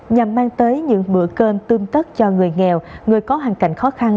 nhằm mang tới những bữa cơm tươm tất cho người nghèo người có hoàn cảnh khó khăn